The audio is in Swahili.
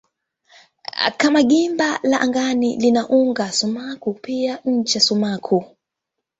Kama gimba la angani lina uga sumaku kuna pia ncha sumaku.